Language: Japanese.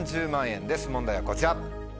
問題はこちら。